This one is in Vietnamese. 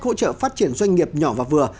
hỗ trợ phát triển doanh nghiệp nhỏ và vừa